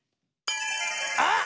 あっ！